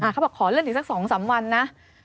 ขอเลื่อนอีกสัก๒๓วันนะ